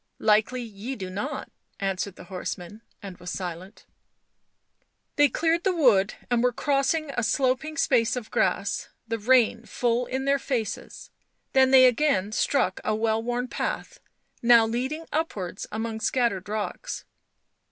" Likely ye do not," answered the horseman, and was silent. They cleared the wood and were crossing a sloping space of grass, the rain full in their faces; then they again struck a well worn path, now leading upwards among scattered rocks.